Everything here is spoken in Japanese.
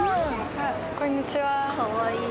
あこんにちは。